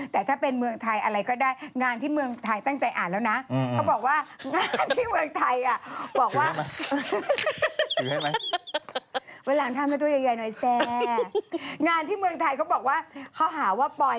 แต่ถ้าเป็นที่เมืองไทยแล้วก็ปอย